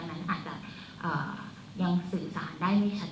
อาจจะยังสื่อสารได้ไม่ทักเจน